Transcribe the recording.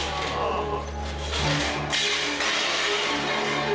saya mau minta air panas dimana ya